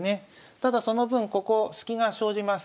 ただその分ここスキが生じます。